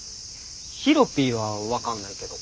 ヒロピーは分かんないけど。